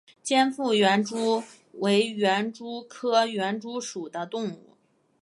尖腹园蛛为园蛛科园蛛属的动物。